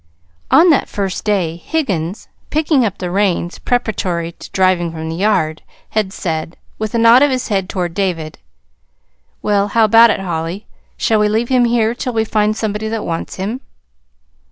On that first day Higgins, picking up the reins preparatory to driving from the yard, had said, with a nod of his head toward David: "Well, how about it, Holly? Shall we leave him here till we find somebody that wants him?"